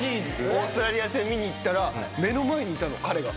オーストラリア戦見に行ったら目の前にいたの彼が。